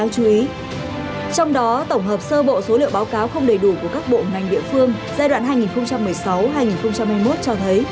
trong đó tổng hợp sơ bộ số liệu báo cáo không đầy đủ của các bộ ngành địa phương giai đoạn hai nghìn một mươi sáu hai nghìn hai mươi một cho thấy